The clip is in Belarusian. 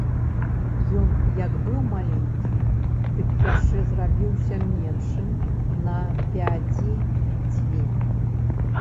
Ён як быў маленькі, дык яшчэ зрабіўся меншым на пядзі дзве.